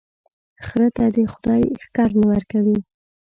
خره ته دي خداى ښکر نه ور کوي،